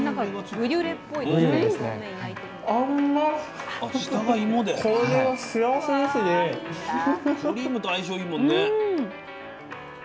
クリームと相性いいもんね。